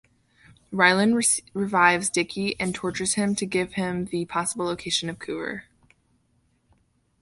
Raylan revives Dickie and tortures him to give him the possible location of Coover.